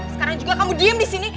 sekarang juga kamu diem di sini